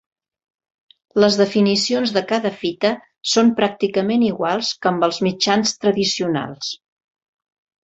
Les definicions de cada fita són pràcticament iguals que amb els mitjans tradicionals.